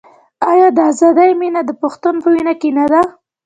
آیا د ازادۍ مینه د پښتون په وینه کې نه ده؟